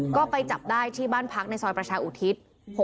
ก็ไปจับได้ที่บ้านพักในซอยประชาอุทิศ๖๖